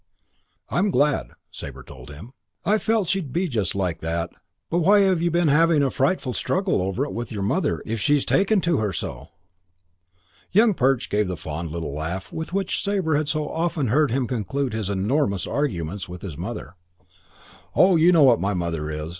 "I am glad," Sabre told him. "I felt she'd be just like that. But why have you been having a frightful struggle over it with your mother if she's taken to her so?" Young Perch gave the fond little laugh with which Sabre had so often heard him conclude his enormous arguments with his mother. "Oh, you know what my mother is.